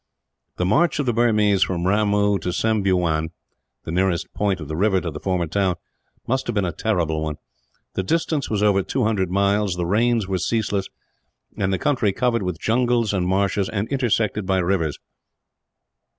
The march of the Burmese from Ramoo to Sembeughewn, the nearest point of the river to the former town, must have been a terrible one. The distance was over two hundred miles, the rains were ceaseless, and the country covered with jungles and marshes, and intersected by rivers.